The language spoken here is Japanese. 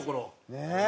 ねえ。